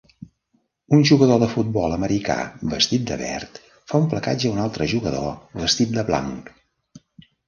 Un jugador de futbol americà vestit de verd fa un placatge a un altre jugador vestit de blanc